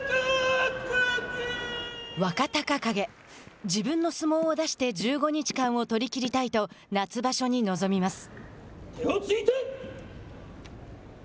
若隆景、自分の相撲を出して１５日間を取り切りたいと夏場所に臨みます。